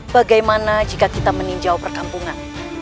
bagaimana jika kita meninjau perkampungan